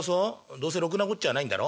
どうせろくなこっちゃないんだろ？」。